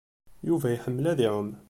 Yuba iḥemmel ad iɛum.